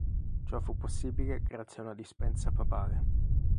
Ciò fu possibile grazie a una dispensa papale.